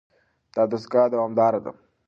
دا دستګاه دوامداره ده.